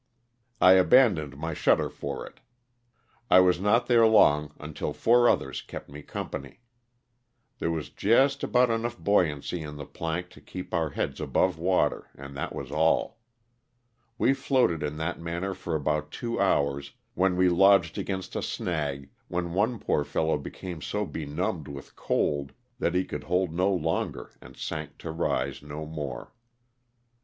I abandoned my shutter for it. I was not there long until four others kept me company. There was just about enough buoyancy in the plank to keep our heads above water, and that was all. We floated in that manner for about two hours when we lodged against a snag, when one poor fellow became so benumbed with cold that he could hold no longer and sank to rise no more.